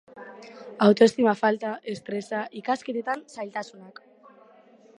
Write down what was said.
Autoestima falta, estresa, ikasketetan zailtasunak.